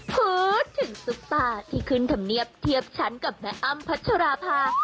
พูดถึงซุปตาที่ขึ้นธรรมเนียบเทียบชั้นกับแม่อ้ำพัชราภา